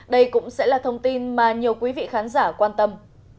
đây cũng sẽ là thông tin mà nhiều quý vị khán giả quan tâm